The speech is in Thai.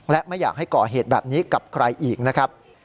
และไม่อยากให้ก่อเหตุแบบนี้กับใครอีกนะครับ